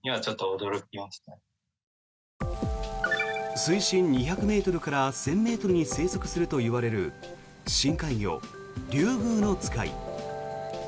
水深２００ｍから１０００ｍに生息するといわれる深海魚、リュウグウノツカイ。